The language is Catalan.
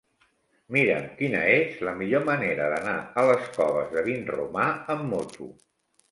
Mira'm quina és la millor manera d'anar a les Coves de Vinromà amb moto.